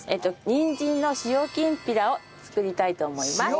にんじんの塩きんぴらを作りたいと思います。